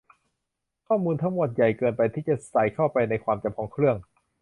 ข้อมูลทั้งหมดใหญ่เกินไปที่จะใส่เข้าไปในความจำของเครื่อง